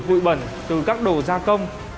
bụi bẩn từ các đồ gia công